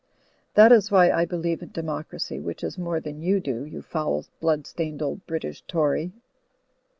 "That is why I believe in Democracy, which is more than you do, you foul blood stained old British Tory.